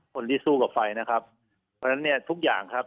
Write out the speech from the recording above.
คนที่สู้กับไฟนะครับเพราะฉะนั้นเนี่ยทุกอย่างครับ